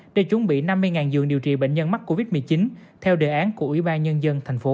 để chuẩn bị năm mươi giường điều trị bệnh nhân mắc covid một mươi chín theo đề án của ủy ban nhân dân thành phố